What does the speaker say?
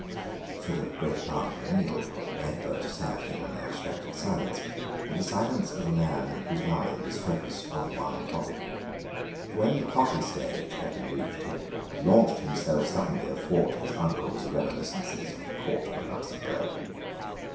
For the greater part of the meal Egbert sat in an abstracted silence, the silence of a man whose mind is focussed on one topic. When the coffee stage had been reached he launched himself suddenly athwart his uncle's reminiscences of the Court of Luxemburg.